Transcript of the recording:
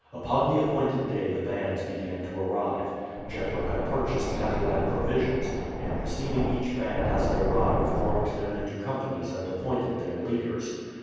Upon the appointed day the bands began to arrive. Jethro had purchased cattle and provisions, and receiving each band as it arrived formed them into companies and appointed their leaders.